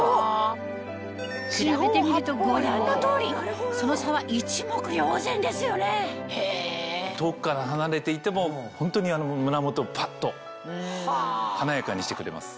比べてみるとご覧の通りその差は一目瞭然ですよね遠くから離れていてもホントに胸元をパッと華やかにしてくれます。